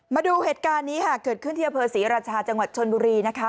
มาดูเหตุการณ์นี้ค่ะเกิดขึ้นที่อำเภอศรีราชาจังหวัดชนบุรีนะคะ